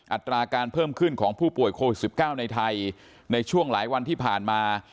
อัตราการเพิ่มขึ้นของผู้ป่วยโควิด๑๙ในไทยในช่วงหลายวันที่ผ่านมา